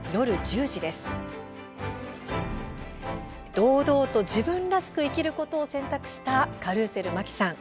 堂々と自分らしく生きることを選択した、カルーセル麻紀さん。